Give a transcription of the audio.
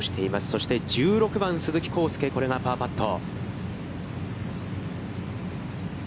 そして１６番、鈴木晃祐、これがパーパット。